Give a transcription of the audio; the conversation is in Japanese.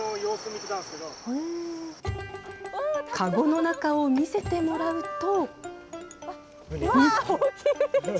籠の中を見せてもらうと。